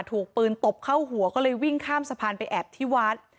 ถูกปืนตบเข้าหัวก็เลยวิ่งข้ามสะพานไปแอบที่วัด